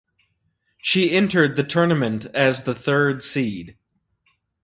She entered the tournament as the third seed.